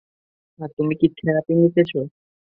হ্যাঁ তুমি কি থেরাপি নিতেছো?